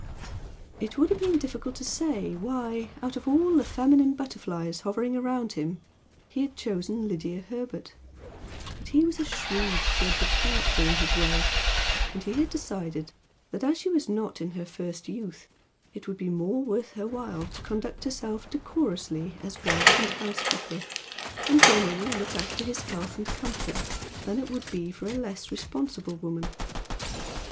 It would have been difficult to say why, out of all the feminine butterflies hovering around him, he had chosen Lydia Herbert, but he was a shrewd judge of character in his way, and he had decided that as she was not in her first youth it would be more worth her while to conduct herself decorously as wife and housekeeper, and generally look after his health and comfort, than it would be for a less responsible woman.